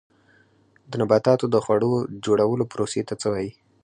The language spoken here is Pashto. د نباتاتو د خواړو جوړولو پروسې ته څه وایي